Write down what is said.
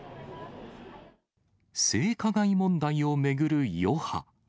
性加害問題を巡る余波。